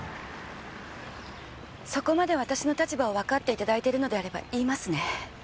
そこまで私の立場をわかっていただいてるのなら言いますね。